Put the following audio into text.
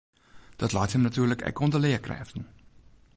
Dat leit him natuerlik ek oan de learkrêften.